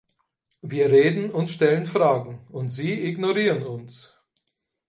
Wir reden und stellen Fragen, und Sie ignorieren uns!